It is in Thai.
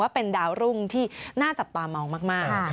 เป็นดาวรุ่งที่น่าจับตามองมาก